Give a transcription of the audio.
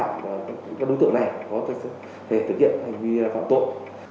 các đối tượng này có thể thực hiện hành vi phạm tội